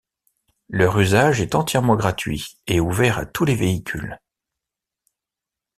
Leur usage est entièrement gratuit et ouvert à tous les véhicules.